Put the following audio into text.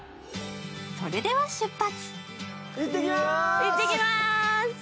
それでは出発。